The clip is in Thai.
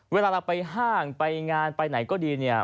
เวลาเราไปห้างไปงานไปไหนก็ดีเนี่ย